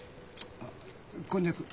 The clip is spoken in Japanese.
あっこんにゃく。